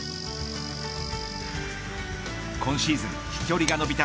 今シーズン飛距離が伸びた